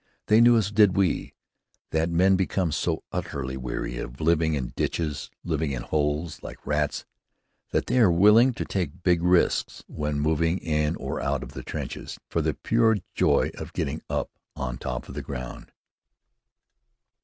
They knew, as did we, that men become so utterly weary of living in ditches living in holes, like rats that they are willing to take big risks when moving in or out of the trenches, for the pure joy of getting up on top of the ground.